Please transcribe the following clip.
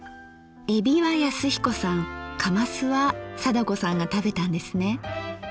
えびは恭彦さんかますは貞子さんが食べたんですね。